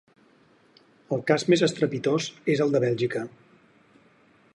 El cas més estrepitós és el de Bèlgica.